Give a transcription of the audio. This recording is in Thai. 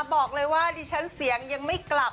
บอกเลยว่าดิฉันเสียงยังไม่กลับ